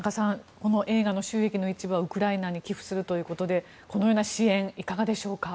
この映画の収益の一部はウクライナに寄付するということでこのような支援いかがでしょうか。